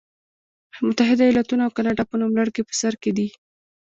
متحده ایالتونه او کاناډا په نوملړ کې په سر کې دي.